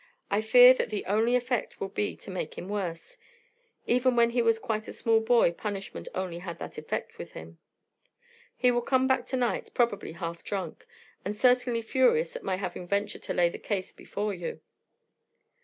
"I fear that the only effect will be to make him worse, even when he was quite a small boy punishment only had that effect with him. He will come back tonight probably half drunk, and certainly furious at my having ventured to lay the case before you."